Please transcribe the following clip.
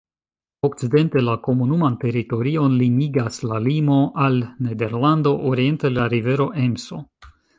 Okcidente la komunuman teritorion limigas la limo al Nederlando, oriente la rivero Emso.